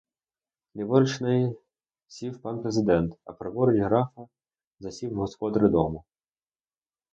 Ліворуч неї сів пан президент, а праворуч графа засів господар дому.